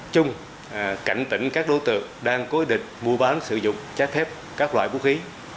trung cảnh tỉnh các đối tượng đang cố định mua bán sử dụng trách phép các loại vũ khí